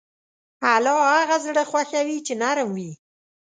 الله هغه زړه خوښوي چې نرم وي.